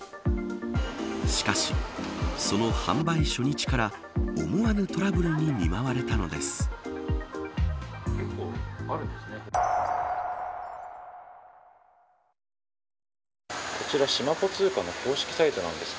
しかし、その販売初日から思わぬトラブルに見舞われたのです。